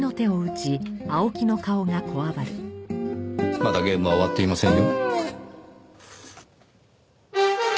まだゲームは終わっていませんよ。